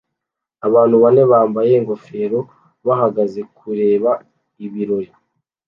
Abantu bane bambaye ingofero bahagaze kureba ibirori